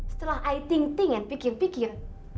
setelah i think think and pikir pikir